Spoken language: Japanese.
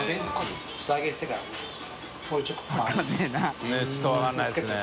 ねぇちょっと分かんないですね。